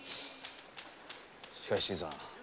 しかし新さん。